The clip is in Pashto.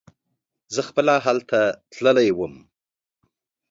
زه خپله هلته تللی وم.